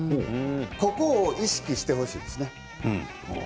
ここを意識してほしいんです。